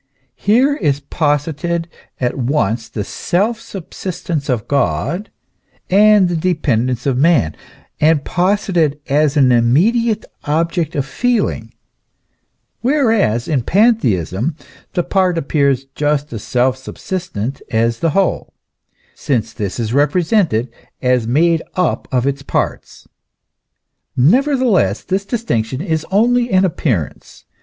Here is posited at once the self subsistence of God and the depen dence of man, and posited as an immediate object of feeling ; whereas in Pantheism the part appears just as self subsistent as the whole, since this is represented as made up of its parts. Nevertheless this distinction is only an appearance.